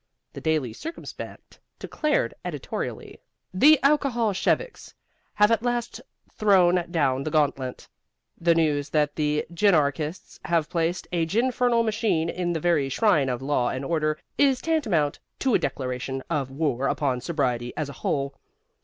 The Daily Circumspect declared, editorially: The alcoholsheviks have at last thrown down the gauntlet. The news that the ginarchists have placed a ginfernal machine in the very shrine of law and order is tantamount to a declaration of war upon sobriety as a whole.